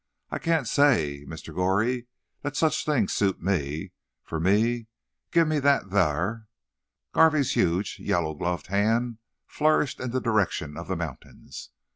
I cyan't say, Mr. Goree, that sech things suits me—fur me, give me them thar." Garvey's huge, yellow gloved hand flourished in the direction of the mountains.